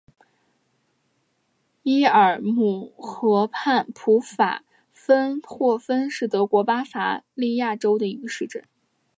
伊尔姆河畔普法芬霍芬是德国巴伐利亚州的一个市镇。